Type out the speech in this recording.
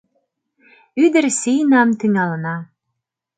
Ӱдыр сийнам тӱҥалына.